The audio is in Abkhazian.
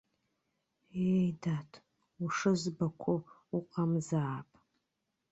Ее, дад, ушызбақәо уҟамзаап.